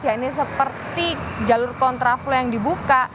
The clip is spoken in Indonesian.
ya ini seperti jalur kontraflow yang dibuka